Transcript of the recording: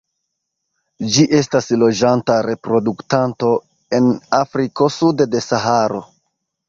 Ĝi estas loĝanta reproduktanto en Afriko sude de Saharo.